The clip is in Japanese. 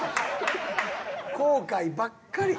後悔ばっかり。